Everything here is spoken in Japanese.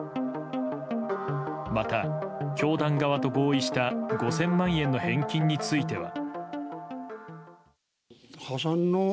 また、教団側と合意した５０００万円の返金については。